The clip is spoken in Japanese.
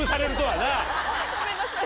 ごめんなさい。